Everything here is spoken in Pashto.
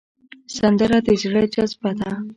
سندره د زړه جذبه ده